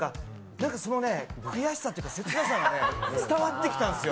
その悔しさというか、切なさが伝わってきたんですよ。